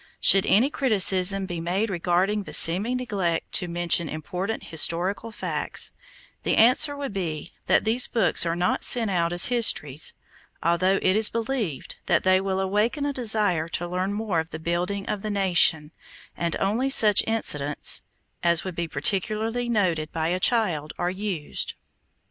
Should any criticism be made regarding the seeming neglect to mention important historical facts, the answer would be that these books are not sent out as histories although it is believed that they will awaken a desire to learn more of the building of the nation and only such incidents as would be particularly noted by a child are used.